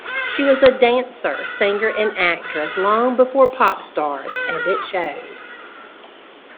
She was a dancer, singer and actress long before Popstars, and it shows.